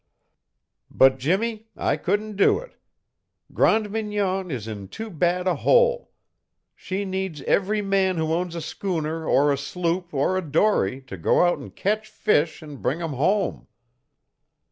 "But, Jimmie, I couldn't do it. Grande Mignon is in too bad a hole. She needs every man who owns a schooner or a sloop or a dory to go out and catch fish and bring 'em home.